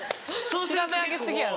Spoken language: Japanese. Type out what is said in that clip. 調べ上げ過ぎや。